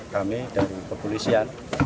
kami dari kepolisian